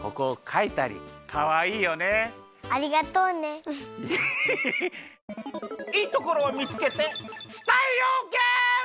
いいところを見つけて伝えようゲーム！